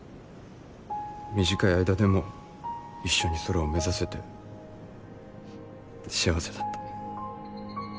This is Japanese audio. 短い間でも一緒に空を目指せて幸せだった。